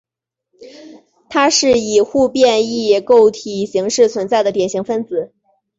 它是以互变异构体形式存在的典型分子。